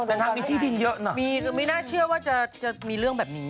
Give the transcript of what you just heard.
แต่นางมีที่ดินเยอะหน่อยไม่น่าเชื่อว่าจะมีเรื่องแบบนี้